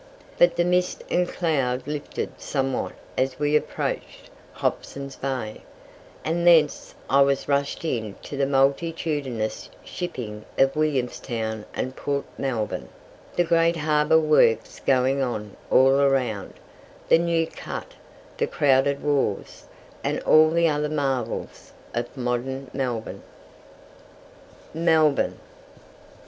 But the mist and cloud lifted somewhat as we approached Hobson's Bay, and thence I was rushed into the multitudinous shipping of Williamstown and Port Melbourne, the great harbour works going on all around, the New Cut, the crowded wharves, and all the other marvels of modern Melbourne. MELBOURNE.